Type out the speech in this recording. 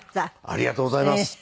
ありがとうございます。